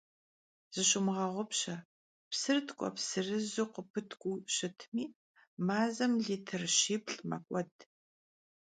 Zışumığeğupşe: psır tk'ueps zırızu khıpıtk'uu şıtmi, mazem litr şiplh' mek'ued.